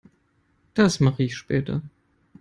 Das mache ich später.